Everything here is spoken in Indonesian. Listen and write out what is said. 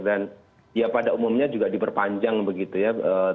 dan ya pada umumnya juga diperpanjang begitu ya